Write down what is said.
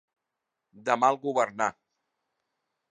De mal governar.